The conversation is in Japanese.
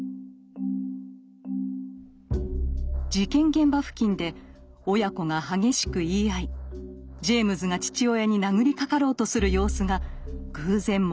事件現場付近で親子が激しく言い合いジェイムズが父親に殴りかかろうとする様子が偶然目撃されていたのです。